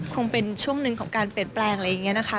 คงเป็นช่วงหนึ่งของการเปลี่ยนแปลงอะไรอย่างนี้นะคะ